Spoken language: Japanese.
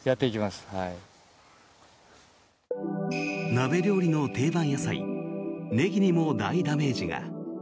鍋料理の定番野菜、ネギにも大ダメージが。